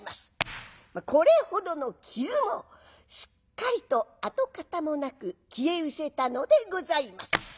これほどの傷もすっかりと跡形もなく消えうせたのでございます。